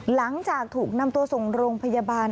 หลังจากถูกนำตัวส่งโรงพยาบาล